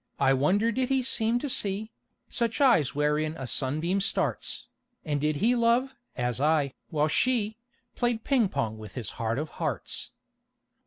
I wonder did he seem to see Such eyes wherein a sunbeam starts, And did he love (as I) while she Played ping pong with his heart of hearts?